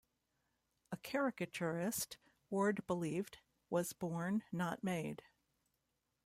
A caricaturist, Ward believed, was born, not made.